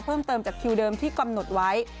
เพิ่มเติมจากคิวเดิมที่กำหนดไว้